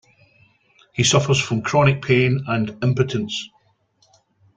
He suffers from chronic pain and impotence.